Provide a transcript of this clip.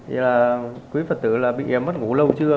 thì là quý phật tử là bị mất ngủ lâu chưa